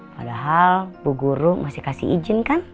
padahal bu guru masih kasih izin kan